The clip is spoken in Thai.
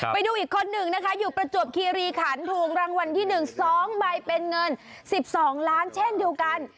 ไปดูอีกคนหนึ่งนะคะอยู่ประจวบคีรีขันถูกรางวัลที่๑๒ใบเป็นเงิน๑๒ล้านเช่นเดียวกัน